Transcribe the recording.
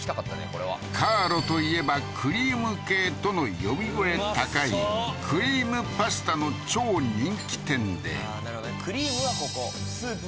これはＣＡＲＯといえばクリーム系との呼び声高いクリームパスタの超人気店でなるほどね